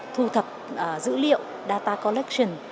thu thập dữ liệu data collection